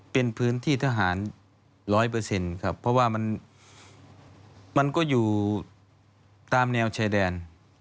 เป็นพื้นที่ทหาร๑๐๐ครับเพราะว่ามันก็อยู่ตามแนวชายแดน